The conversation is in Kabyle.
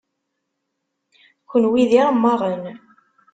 Kenwi d iremmaɣen.